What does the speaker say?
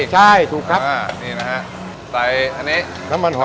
ใช่ถูกครับนี่นะฮะใส่อันนี้น้ำมันหอม